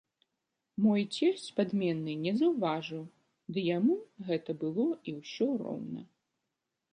Мой цесць падмены не заўважыў, ды яму гэта было і ўсё роўна.